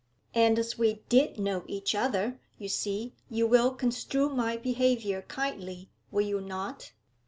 And as we did know each other, you see You will construe my behaviour kindly, will you not?'